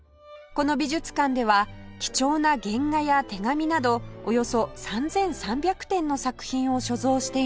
この美術館では貴重な原画や手紙などおよそ３３００点の作品を所蔵しています